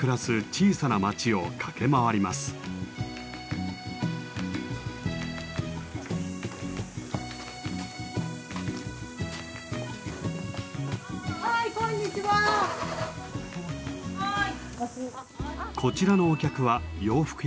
こちらのお客は洋服屋さん。